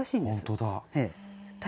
本当だ。